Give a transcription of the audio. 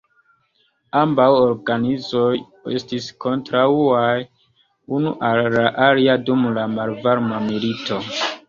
Ambaŭ organizoj estis kontraŭaj unu al la alia dum la malvarma milito.